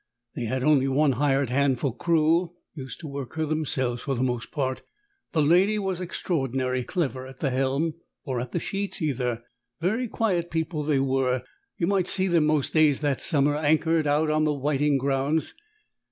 They had only one hired hand for crew; used to work her themselves for the most part; the lady was extraordinary clever at the helm, or at the sheets either. Very quiet people they were. You might see them most days that summer, anchored out on the whiting grounds.